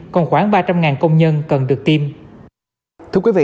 còn khoảng ba trăm linh công nhân cần được tiêm